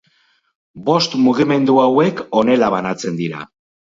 Bost mugimendu hauek honela banatzen dira.